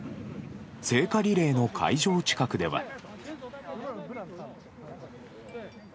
聖火リレーの会場近くでは。